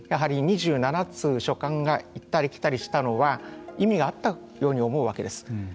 やはり２７通書簡が行ったり来たりしたのは意味があったように思うわけです。